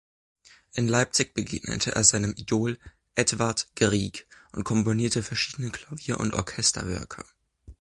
In Leipzig begegnete er seinem Idol Edvard Grieg und komponierte verschiedene Klavier- und Orchesterwerke.